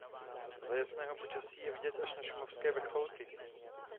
Za jasného počasí je vidět až na šumavské vrcholky.